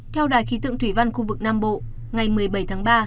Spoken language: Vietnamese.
theo đài khí tượng thủy văn khu vực nam bộ ngày một mươi bảy tháng ba